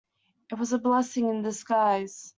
It was a blessing in disguise.